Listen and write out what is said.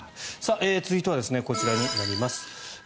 続いては、こちらになります。